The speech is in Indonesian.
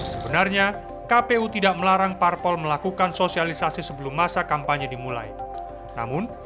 sebenarnya kpu tidak melarang parpol melakukan sosialisasi sebelum masa kampanye dimulai namun